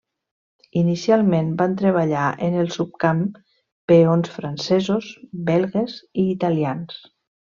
Inicialment van treballar en el subcamp peons francesos, belgues i italians.